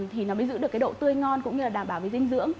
thì nó mới giữ được độ tươi ngon cũng như đảm bảo với dinh dưỡng